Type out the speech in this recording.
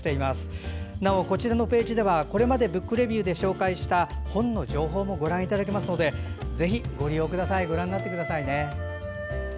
なおこちらのページではこれまで「ブックレビュー」で紹介した本の情報もご覧いただけますのでぜひご覧になってください。